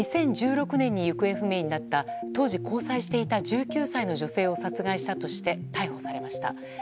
２０１６年に行方不明になった当時交際していた１９歳の女性を殺害したとして逮捕されました。